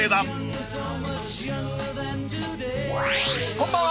こんばんは。